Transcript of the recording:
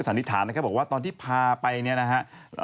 เกิดสันนิษฐานครับเขาบอกว่าตอนที่พาไปเนี่ยนะฮะ